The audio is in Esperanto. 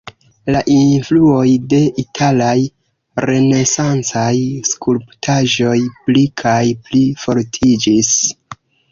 La influoj de italaj renesancaj skulptaĵoj pli kaj pli fortiĝis.